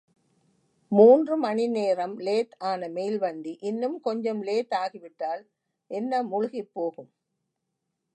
மூன்று மணி நேரம் லேட் ஆன மெயில்வண்டி இன்னும் கொஞ்சம் லேட் ஆகிவிட்டால் என்ன முழுகிப்போகும்?